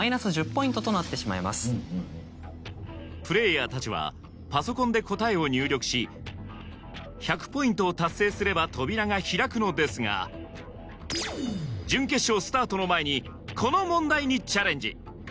プレーヤーたちはパソコンで答えを入力し１００ポイントを達成すれば扉が開くのですが準決勝スタートの前にこの問題にチャレンジ